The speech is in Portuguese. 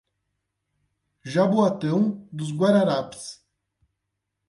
Jaboatão dos Guararapes